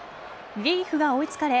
リリーフが追いつかれ